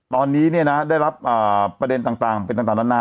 ตอนนี้เนี่ยนะได้รับประเด็นต่างเป็นต่างดันหน้า